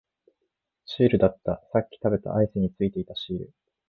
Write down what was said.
シールだった、さっき食べたアイスについていたシール